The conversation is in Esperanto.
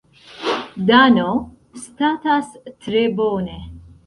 Dano statas tre bone.